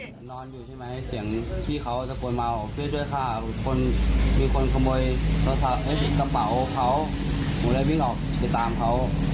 เรื่องต้นเปาเขาผมด้วยบิงออกไปตามเขา